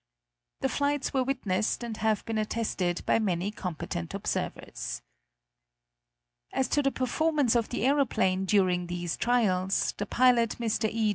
The flights were witnessed and have been attested by many competent observers. As to the performance of the aeroplane during these trials, the pilot, Mr. E.